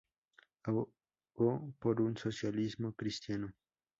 Abogó por un socialismo cristiano.